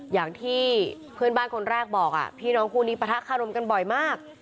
อย่างที่เพื่อนบ้านคนแรกบอกพี่น้องคู่นี้ปะทะคารมกันบ่อยมาก